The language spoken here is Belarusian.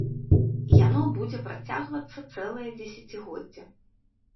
Яно будзе працягвацца цэлае дзесяцігоддзе.